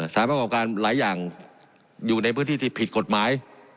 ประกอบการหลายอย่างอยู่ในพื้นที่ที่ผิดกฎหมาย